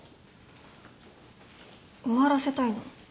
終わらせたいの。